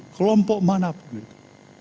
kelompok manapun itu